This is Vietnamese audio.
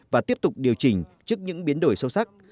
và tiếp tục điều chỉnh trước những biến đổi sâu sắc